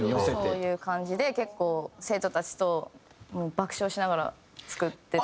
そういう感じで結構生徒たちと爆笑しながら作ってて。